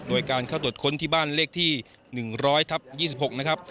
โดยการเข้าตรวจค้นที่บ้านเลขที่หนึ่งร้อยทับยี่สิบหกนะครับ